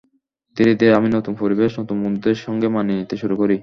ধীরে ধীরে আমি নতুন পরিবেশ, নতুন বন্ধুদের সঙ্গে মানিয়ে নিতে শুরু করি।